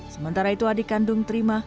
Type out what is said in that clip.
sementara itu adik kandung terima